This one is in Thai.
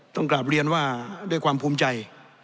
กลับเรียนว่าด้วยความภูมิใจ